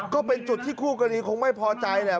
ก็เป็นจุดที่คู่กรณีคงไม่พอใจแหละ